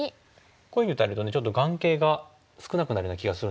こういうふうに打たれるとちょっと眼形が少なくなるような気がするんですけど。